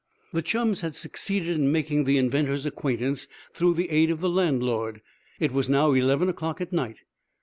The chums had succeeded in making the inventor's acquaintance through the aid of the landlord. It was now eleven o'clock at night.